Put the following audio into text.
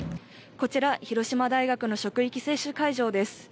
こちら広島大学の職域接種会場です。